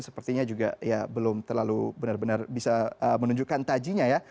sepertinya juga ya belum terlalu benar benar bisa menunjukkan tajinya ya